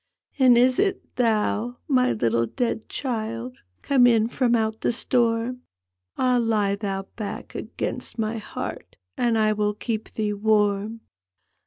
" And is it thou, my little dead child, Come in from out the stonn? Ah, lie thou back against my heart, And I will keep thee wann!